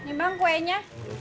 ini bang kuenya